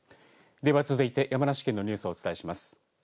では続いて、山梨県のニュースをお伝えします。